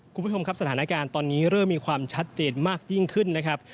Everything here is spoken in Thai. คุณผู้ชมครับสถานการณ์ตอนนี้เริ่มมีความชัดเจนมากยิ่งขึ้นนะครับ